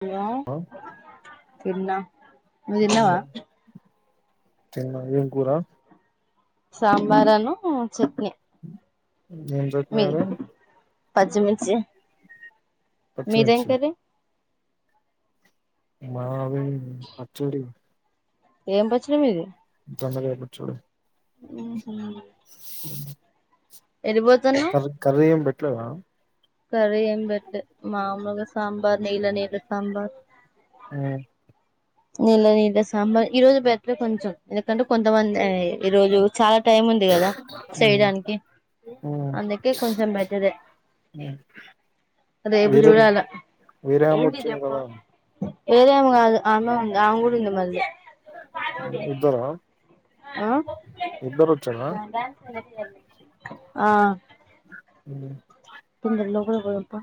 Hello, మేము తిన్నాం, నువ్వు తిన్నావా తినం ఏం కూరా సాంబారను చట్నీ మీది [unintelligible] పచ్చిమిర్చి మీరేం పచ్చిమిర్చి కర్రి మావి పచ్చడి ఏం పచ్చడి మీది దొండకాయి పచ్చని ఉహు దాంట్లోకర్రీం పెట్లేవా కరీ ఏం పెట్లే మామలుగా సాంబార్ నీళ్ళ నీళ్ళ సాంబార్ నీళ్ళ నీళ్ళ సాంబార్ ఈ రోజు బెటర్ కొంచెం ఎందుకంటే కొంతమంది ఈరోజు చాలా. టైం ఉంది కదా మ్మ్ చేయడానికి అందుకే కొంచెం బేటరే. ఉమ్. రేపు చూడాలే. వేరే ఆమె ఏంది వచ్చింది కదా ఏం కాదు అమ్మ ఉంది అన్ కూడా ఉంది మరి. ఇద్దరా ఆహ్ ఇద్దరు వచ్చారా ఆహ్. ఉమ్. ఉండు ఉండు లోపలికు పోదాం పా.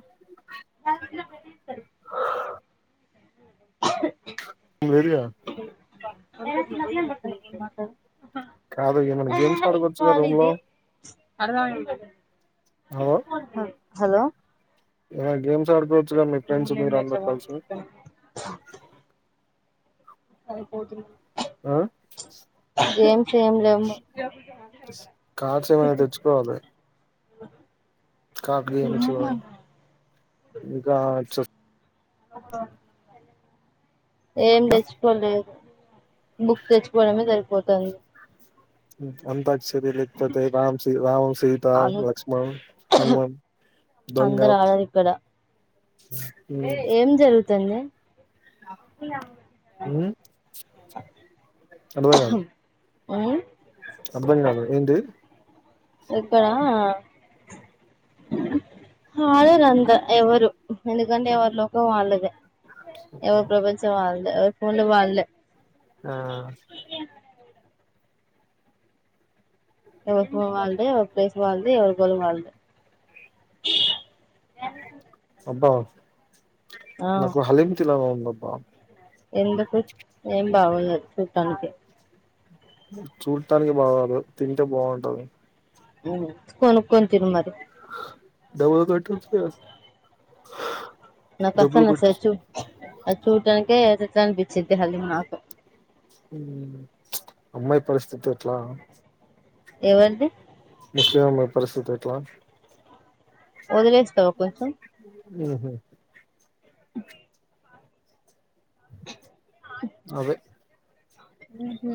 ఇవి వేరు కదా. కాదు ఏమైనా గేమ్స్ ఏహ్ ఇది ఆడుకోవచ్చుగా ఫాల్ రూమ్ లో ఇది. హలో. ఏదైనా గేమ్స్ ఆడుకోవచ్చు కదా మీ ఫ్రెండ్స్ మీరు అందరు కలిసి. అయిపోతుంది. ఆహ్. ఏం చేయములేమ్మా. కార్డ్స్ ఏమైనా ఆహ్. కాకి గమించువ ఇంకా చుస్. ఏం తెచ్చుకోలేదు. బుక్ తెచ్చుకోవడమే సరిపోతది. ఉమ్ అంతా. ఇది లేకపోతే రామ్ సి రామ్ సీత అను లక్ష్మణ్ హనుమన్. అందరు ఆడరిక్కడ. ఉమ్. తన్నే. అర్థం కాదు ఉమ్. అర్థం కాదు ఏంటి ఎక్కువ రాలేరంట ఎవ్వరు. ఎందుకంటే ఎవరి లోకం వాళ్ళదే ఎవరి ప్రపంచం వాళ్ళదే. ఆహ్ ఫోన్లా వాళ్ళే. ఆ ఎవరు ఫోన్ వాళ్దే ఎవరు ప్లేస్ వాళ్దే ఎవరు గోలు వాళ్దే. ఎందుకు. అబ్బా నాకు హలీం తినాలి అని ఉంది అబ్బా. ఎందుకు ఏం బావుండదు చుటానికే. చూడటానికి బాగోదు తింటే బాగుంటది. కొనుకొని తిను మరి. డోర్ పెట్టేసుకో. నా కసన్సచ్చు అచ్చు టాననికిత్రను బచ్చదిది అలి నాకు ఉమ్ ప్చ్ అమ్మాయి పరిస్థితి ఎట్లా. ఎవరిది. ముస్లిం అమ్మాయి పరిస్థితి ఎట్లా. వదిలేస్తవ కొంచెం. ఉహూ. అవే. ఉహూ.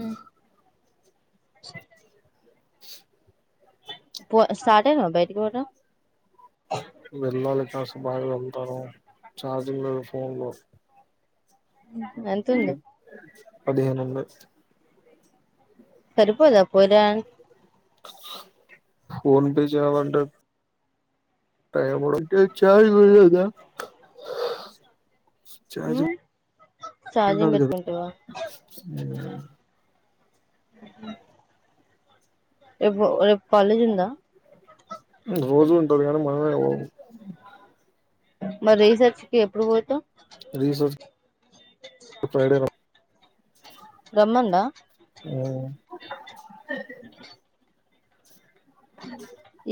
పో స్టార్టేనావ బయటికి పోవడం. వెళ్ళాలి కాసేపు ఆగి వెళ్తాను చార్జింగ్ లేదు ఫోన్లో. ఉమ్. పది పదిహేను ఉన్నాయి. సరిపోదా పోలే ఫోన్ పే చే వంట టై మ చార్జ వెద చ ఉమ్ ఛార్జింగ్ పెట్టుకుంటావా రేపు కాలేజ్ ఉంద రోజూ ఉంటంది కానీ మనమే మరి రీసెర్చ్కి ఎప్పుడు పోతా రీసెర్చ్ కి ఫ్రైడే గమ్ముంద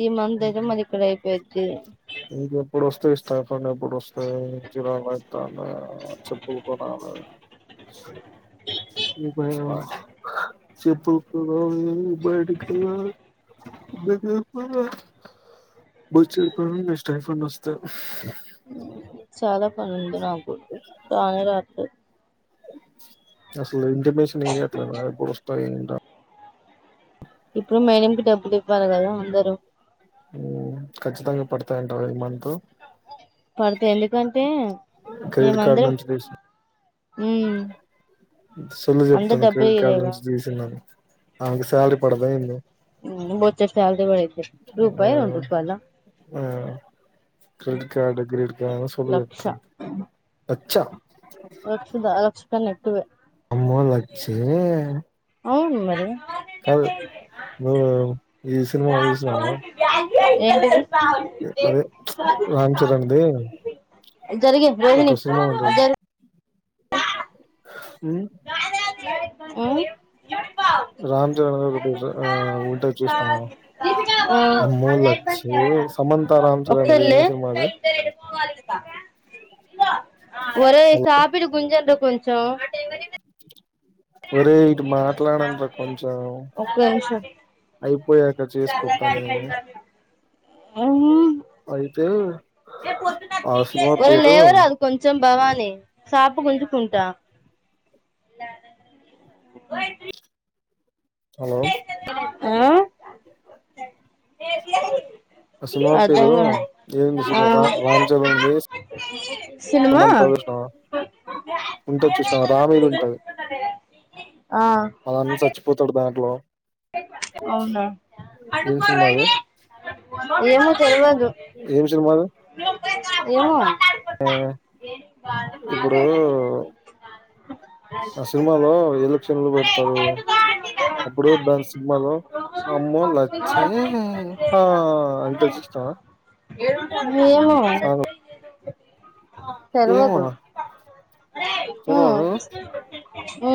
ఈ మందిరం అలిికడయిపోయిచ్చ పప్పుడు వస్తే ఇస్తాయిప్పుడుస్త జరాాల ఇా చెప్పులు కొాల ఇ చెప్పుడు ఉప దేపో బచ్చ ప స్టాైఫ వస్తది చాలా పని ఉంది నాకు రాని రాత్రి అలు ఇంఫమేషన్ ఇట్ల పస్త ఇప్పుడు మెనింకి డబ్బులు ఇవ్వాలి కదా అందరుూ ఖచ్చితంగా పడతాయంటారు ఐదు మంది పడతాయి ఎందుకంటే క్రెడిట్ కార్డ్ మేమందరం నుంచి తీసి చల్ అందరు చెప్తాను డబ్బే క్రెడిట్ కార్ ఇదేగా నుంచి తీసినను అకు సాలరి పడదా ఇ బొచ్చెడు సాలరీ బడింది ఆ రూపాయా రెండూ రూపాయల ఆ క్రెడిట్ కార్డు క్రెడిట్ కల్ లక్ష ఎ రక్షద రక్షత నెట్వే అమ్మో లక్షే అవును మరి కల్ ఈ సినిమా చూసినావా ఏద రాాలతే అదే రామ్ చరణ్ ది జరిగంది రోహిని ఒక సినిమా అ జ అ అవు రామ్చరణ్ ఒక ఉంట చూస్తం సమంత రామ్ చరణ్ ది కలే ఏం సినిమా అది ఒరే సాపిడు గుంజంట కొంచం ఒరే ఇటు మాట్లాదండిరా కొంచెం ఒక్క నిమిషం అయిపోయాక్క చేసుకో పని అయితే ఆసమా ఒరేయ్ పేరు లేవరాదు కొంచెం భవాని సాపు గుంజుకుంటా హలో మ్మ్మ్మ్ ఆ సినిమా పేరు ఏమింది సినిమా రా రామ్ చరణ్ంది సినిమా సమంతా కృష్ణ ఉంటది చూసినవా కృష్ణ రామ మీది ఉంటది ఆ మనన్ని చచ్చిపోతాడు దాంట్లో అవునా ఏం సినిమా అది ఏమో తెలివదు ఏంషలుమాారు ఏమో ఆ ఇప్పుడు అ ఆ సినిమాలో ఎలక్షన్లు పెడతారు అప్పుడు దాని సినిమాలో మామ్ మనలాచ్చే అ జస్త ఏమొ ఆ తెర్వదు ఏమోరా ఉ తెలవదు ఊ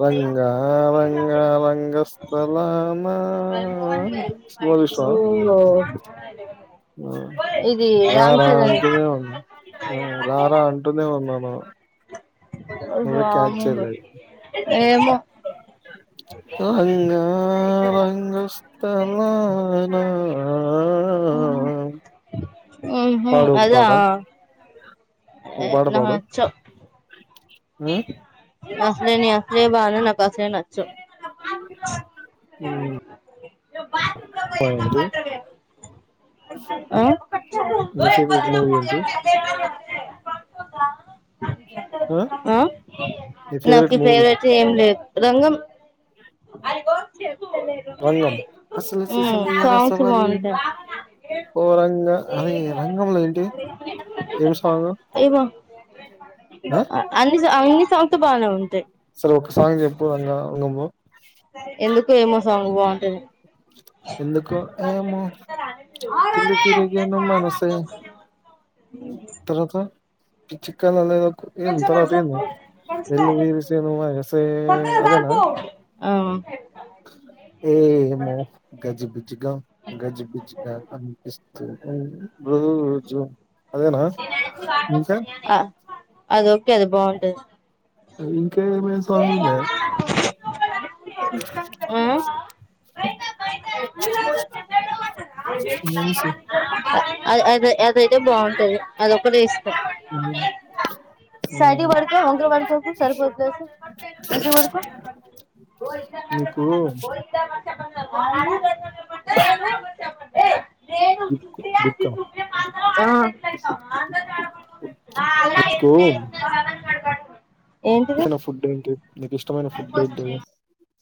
రంగా రంగ రంగ స్థలా ఓనో రారా అంటూనే ఉన్నా రారా అంటూనే ఉన్నాం. మా అది బాగుంది ఏమొ అవునా ఆ రంగస్తలనా ఆ అబ్బా అదా ఒక ఏ పాట నా పాడు చో ఆ అసలేని అసలే బాను నాకుసలే నచ్చు మ్ పంటి ఆ నీ ఫెవరెట్ మూవీ ఏంటి? ఆ నీ నాకు ఈ మూవీ ఫేవరెట్ ఏం లేదు. రంగం అయిపో రంగమ్ సాంగ్స్ హసలుసిసన్నియారసవాలి బాగుంటాయి ఓ రంగ అహె రంగంలో ఏంటి ఏం సాంగ్ ఆ అన్నిస అన్ని సాంగతో బానేఉంది సరే ఒక సాంగ్ చెప్పుంగ నువ్వు ఎందుకు ఏమో సాంగ్ బావంటది. ఎందుకు ఏమో తులి తిరిగెను మనసే తర్వాత పిచ్చి కలలేవో ఏమి తర్వాత ఏమి ఎల్ విరిసేను వయసే అదేనా టెన్త్ అవి ఏ మొ గజిబిజిగా గజిబిజి గా అనిపిస్ మ్ జ ఆ అది ఓకే అది బావుంటది. ఇంకే ఏమైనా సాంగ్ ఉందే ఆ ఏసు అది అదయితే బాగుంటది అదొకటిస్ సైడ్కి పడుకో వంకర పడుకోకు సరిపోద్దది. మంచిగా పడుకో నీకు [unintelligible] విక్కీ బికామ్ గా ఎక్కు ఏంటిది హె నాఫుడ్ ఏంటి? నీకు ఇష్టమైన ఫుడ్ ఏంటిది.